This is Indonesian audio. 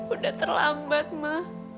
udah terlambat ma